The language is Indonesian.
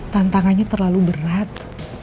tantangannya terlalu berat